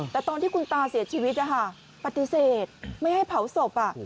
แต่ตอนที่คุณตาเสียชีวิตปฏิเสธไม่ให้เผาศพ